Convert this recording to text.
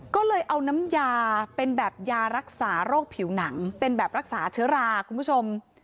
ก็เลยเอาน้ำยาเป็นแบบยารักษาโรคผิวหนังเป็นแบบรักษาเชื้อราคุณผู้ชม